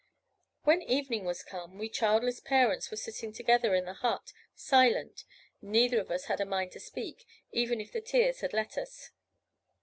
"When evening was come, we childless parents were sitting together in the hut, silent; neither of us had a mind to speak, even if the tears had let us.